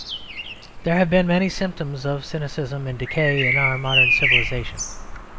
There have been many symptoms of cynicism and decay in our modern civilisation.